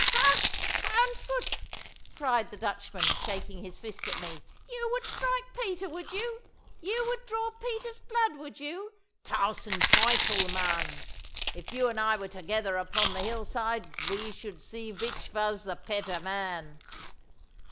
'Ha, houndsfoot!' cried the Dutchman, shaking his fist at me. 'You would strike Peter, would you? You would draw Peter's blood, would you? Tausend Teufel, man! if you and I were together upon the hillside we should see vich vas the petter man.